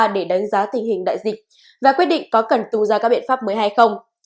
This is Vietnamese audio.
để đánh giá tình hình đại dịch và quyết định có cần tung ra các biện pháp mới hay không